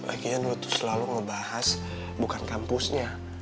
lagian lo tuh selalu ngebahas bukan kampusnya